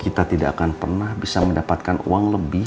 kita tidak akan pernah bisa mendapatkan uang lebih